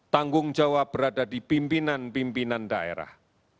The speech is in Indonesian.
tanggung jawab berada di pimpinan pimpinan daerah